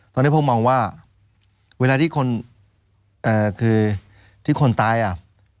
ตอนนี้ผมมองว่าเวลาที่คนตายอ่ะ